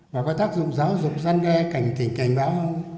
và có tác dụng giáo dục dân đe cảnh tỉnh cảnh báo không